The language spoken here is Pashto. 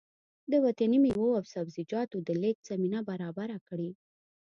د وطني مېوو او سبزيجاتو د لېږد زمينه برابره کړي